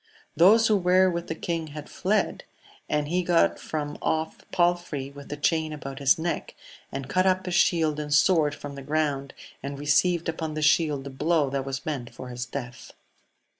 Thos/^ ' were with the king had fled, and \i^ gA. ixotsi <A 202 AMADIS OF GAUL. palfrey with the chain &bout his neck, a&d caught < a shield and sword from the ground, and receiv upon the shield the blow that was meant for I death.